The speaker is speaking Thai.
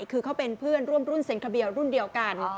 คือเขาเป็นเพื่อนร่วมรุ่นเซ็นคาเบียร์รุ่นเดียวกัน